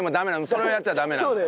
それをやっちゃダメなの。